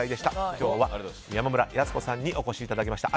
今日は山村康子さんにお越しいただきました。